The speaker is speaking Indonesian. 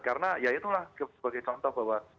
karena ya itulah sebagai contoh bahwa